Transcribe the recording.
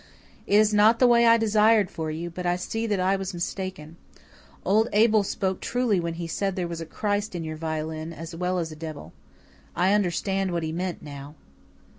It is not the way I desired for you but I see that I was mistaken. Old Abel spoke truly when he said there was a Christ in your violin as well as a devil. I understand what he meant now."